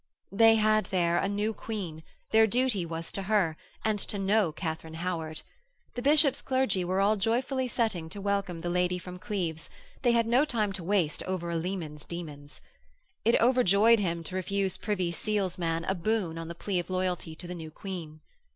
They had there a new Queen, their duty was to her, and to no Katharine Howard. The bishop's clergy were all joyfully setting to welcome the lady from Cleves, they had no time to waste over a leman's demons. It overjoyed him to refuse Privy Seal's man a boon on the plea of loyalty to the new Queen.